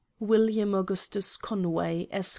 WILLIAM AUGUSTUS CONWAY, Esq.